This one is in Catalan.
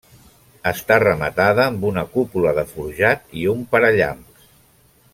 Està rematada amb una cúpula de forjat i un parallamps.